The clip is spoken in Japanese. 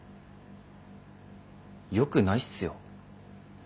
よくないすよ。